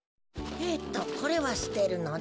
えっとこれはすてるのだ。